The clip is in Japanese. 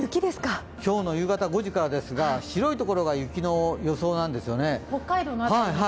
今日の夕方５時からですが白い所が雪の予想なんですね。